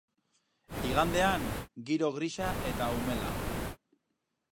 Igandean, giro grisa eta umela.